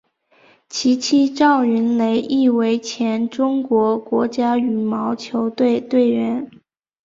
其妻赵芸蕾亦为前中国国家羽毛球队队员。